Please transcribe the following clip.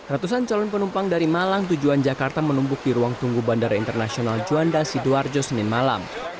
ratusan calon penumpang dari malang tujuan jakarta menumpuk di ruang tunggu bandara internasional juanda sidoarjo senin malam